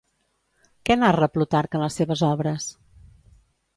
Què narra Plutarc en les seves obres?